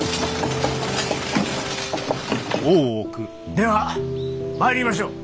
では参りましょう。